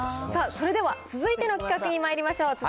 さあ、それでは続いての企画にまいりましょう。